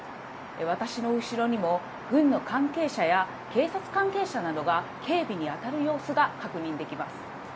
私の後ろにも、軍の関係者や警察関係者などが警備に当たる様子が確認できます。